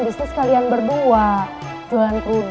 itu tramnya nih